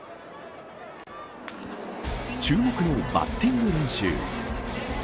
注目のバッティング練習。